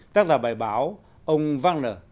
tác giả bài báo ông wagner